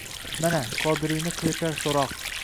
Mana, Qodiriyni qilishar so’roq: